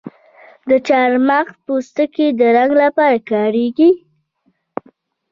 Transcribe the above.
د چارمغز پوستکی د رنګ لپاره کاریږي؟